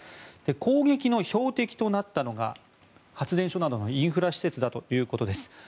攻撃の標的となったのが発電所などのインフラ施設だということです。